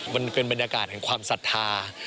มันเป็นบรรยากาศแห่งความศรัทธา